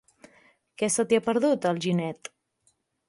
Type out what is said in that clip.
Què se t'hi ha perdut, a Alginet?